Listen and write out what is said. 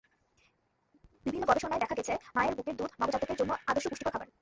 বিভিন্ন গবেষণায় দেখা গেছে, মায়ের বুকের দুধ নবজাতকের জন্য আদর্শ পুষ্টিকর খাবার।